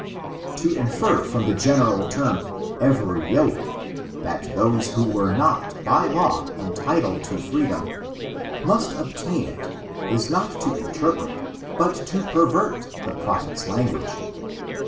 ^ To in&r, fix>m die general term, *^ every yoke," that dioee who were not, by law, entitled to freedom, must obtain it, is not to interpret, but to pervert the prophet's kngoage.